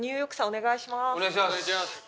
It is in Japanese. お願いします。